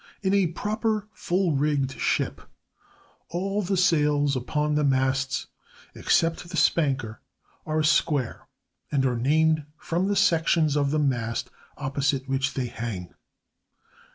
In a proper full rigged ship all the sails upon the masts, except the spanker, are square, and are named from the sections of the mast opposite which they hang.